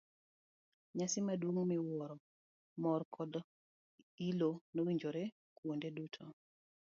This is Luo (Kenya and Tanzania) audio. Nyasi maduong' miwuoro, mor koda ilo nowinjore kuonde duto.